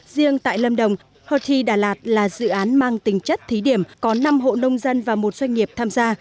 riêng tại lâm đồng hotthi đà lạt là dự án mang tính chất thí điểm có năm hộ nông dân và một doanh nghiệp tham gia